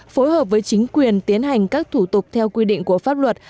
phối hợp với chính quyền tiến hành các thủ tục theo quy định của pháp luật